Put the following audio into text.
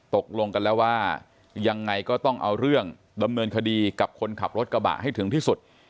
ตกลงกันแล้วว่ายังไงก็ต้องเอาเรื่องดำเนินคดีกับคนขับรถกระบะให้ถึงที่สุด